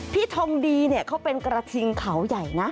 พี่ทองดีเขาเป็นกระทิงเขาใหญ่นะ